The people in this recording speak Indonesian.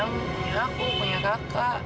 punya aku punya kakak